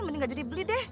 mending nggak jadi beli deh